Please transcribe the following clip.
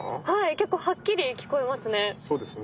結構はっきり聞こえますね。